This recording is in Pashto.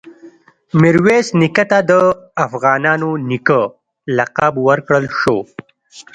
میرویس نیکه ته د “افغانانو نیکه” لقب ورکړل شو.